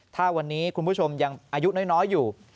ถ้าวันนี้คุณผู้ชมยังอายุน้อยอยู่